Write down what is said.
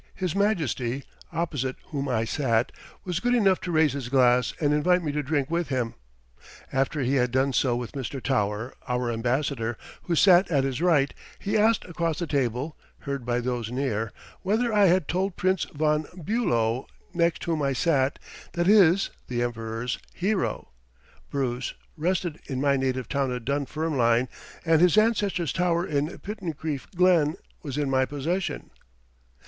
His Majesty, opposite whom I sat, was good enough to raise his glass and invite me to drink with him. After he had done so with Mr. Tower, our Ambassador, who sat at his right, he asked across the table heard by those near whether I had told Prince von Bülow, next whom I sat, that his (the Emperor's) hero, Bruce, rested in my native town of Dunfermline, and his ancestor's tower in Pittencrieff Glen, was in my possession.